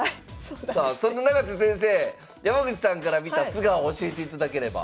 さあそんな永瀬先生山口さんから見た素顔を教えていただければ。